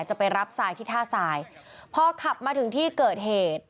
จะไปรับทรายที่ท่าทรายพอขับมาถึงที่เกิดเหตุ